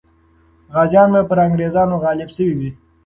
غازیان به پر انګریزانو غالب سوي وي.